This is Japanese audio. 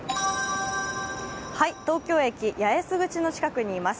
東京駅、八重洲口近くにいます。